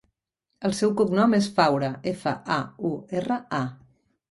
El seu cognom és Faura: efa, a, u, erra, a.